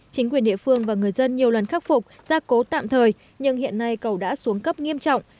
chính quyền địa phương và người dân nhiều lần khắc phục gia cố tạm thời nhưng hiện nay cầu đã xuống cấp nghiêm trọng